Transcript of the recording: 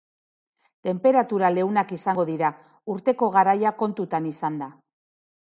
Tenperatura leunak izango dira, urteko garaia kontuan izanda.